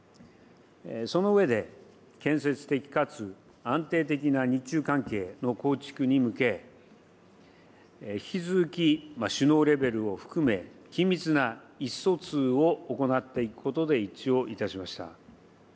その上で、建設的かつ安定的な日中関係の構築に向け、引き続き首脳レベルを含め、緊密な意思疎通を行っていくことで一致をいたしました。